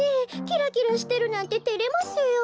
キラキラしてるなんててれますよ。